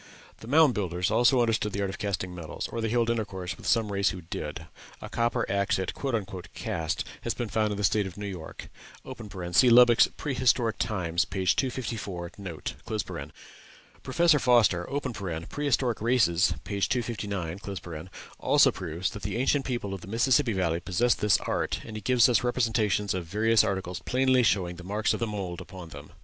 The Mound Builders also understood the art of casting metals, or they held intercourse with some race who did; a copper axe it "cast" has been found in the State of New York. (See Lubbock's "Prehistoric Times," p. 254, note.) Professor Foster ("Prehistoric Races," p. 259) also proves that the ancient people of the Mississippi Valley possessed this art, and he gives us representations of various articles plainly showing the marks of the mould upon them.